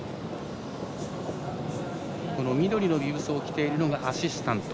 緑のビブスを着ているのがアシスタント。